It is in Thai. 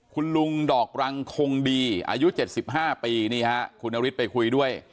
คุณลุงดอกรังคงดีอายุ๗๕ปีนี่ฮะคุณนฤทธิไปคุยด้วย